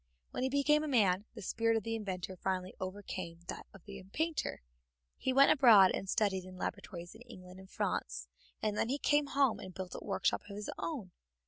When he became a man, the spirit of the inventor finally overcame that of the painter. He went abroad and studied in laboratories in England and France, and then he came home and built a workshop of his own.